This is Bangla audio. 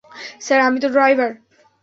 স্যার, আমি তো ড্রাইভার।